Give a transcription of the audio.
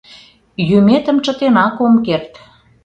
— Йӱметым чытенак ом керт.